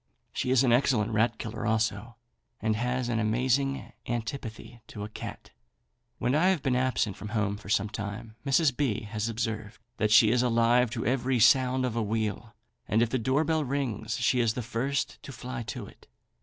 She is an excellent rat killer also, and has an amazing antipathy to a cat. When I have been absent from home for some time, Mrs. B. has observed that she is alive to every sound of a wheel, and if the door bell rings she is the first to fly to it.